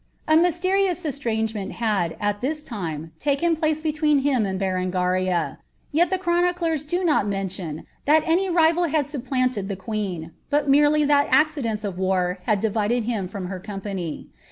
A mysterious eatrangement had, at this li place between him and Berengaria; yel the chroniclers do ion thai any rival had supplanted the queen, but merely that of war had divided him from her company.